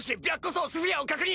爪スフィアを確認！